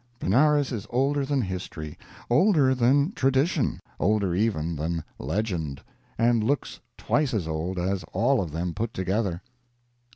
Benares is older than history, older than tradition, older even than legend, and looks twice as old as all of them put together.